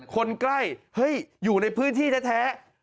คนใกล้เฮ้ยอยู่ในพื้นที่แท้